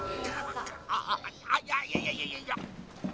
ああいやいやいやいや。